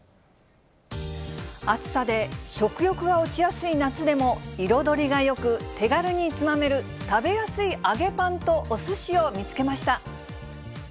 暑さで食欲が落ちやすい夏でも、彩りがよく、手軽につまめる、食べやすい揚げパンとおすしを見つけました。